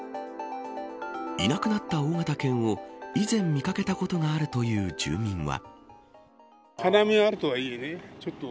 いなくなった大型犬を以前、見掛けたことがあるという住民は。